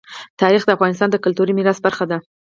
تاریخ د افغانستان د کلتوري میراث برخه ده.